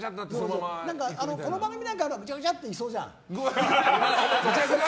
この番組なんかはぐちゃぐちゃっとしそうじゃん。